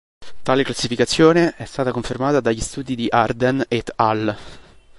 Tale classificazione è stata confermata dagli studi di Arden "et al.